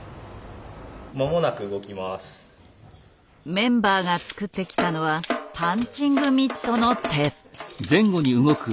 メンバーが作ってきたのはパンチングミットの手。